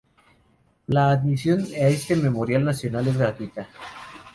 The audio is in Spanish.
La admisión a este memorial nacional es gratuita.